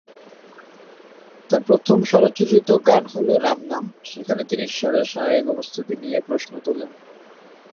তার প্রথম স্বরচিত গান হলো "রাম নাম", যেখানে তিনি ঈশ্বরের শারীরিক উপস্থিতি নিয়ে প্রশ্ন তোলেন।